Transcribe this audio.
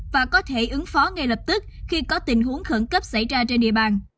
và có thể ứng phó ngay lập tức khi có tình huống khẩn cấp xảy ra trên địa bàn